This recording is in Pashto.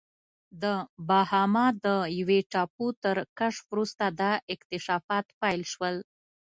د باهاما د یوې ټاپو تر کشف وروسته دا اکتشافات پیل شول.